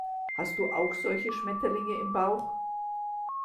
Hast du auch solche Schmetterlinge im Bauch?